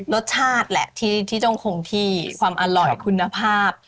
รสชาติแหละที่ต้องคงที่ความอร่อยคุณภาพ